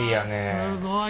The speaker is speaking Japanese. すごい。